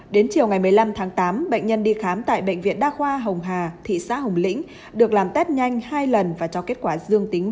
đến chiều ngày một mươi năm tháng tám bệnh nhân đi khám tại bệnh viện đa khoa hồng hà thị xã hồng lĩnh được làm test nhanh hai lần và cho kết quả dương tính